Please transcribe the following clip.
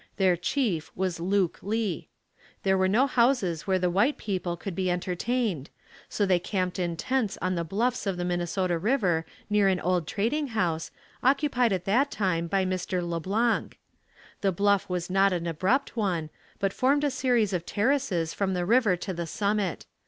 Their chief was Luke Lee. There were no houses where the white people could be entertained, so they camped in tents on the bluffs of the Minnesota river near an old trading house, occupied at that time by Mr. Le Blanc. The bluff was not an abrupt one, but formed a series of terraces from the river to the summit.